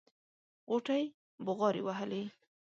غوټۍ بغاري وهلې.